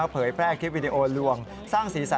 เผยแพร่คลิปวิดีโอลวงสร้างสีสัน